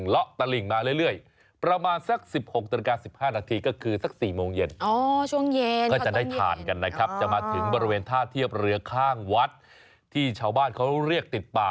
ท่าน้ำที่ท่าน้ำทุกวันเลย